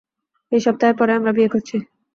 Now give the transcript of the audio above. এই সপ্তাহের পরেই আমরা বিয়ে করছি।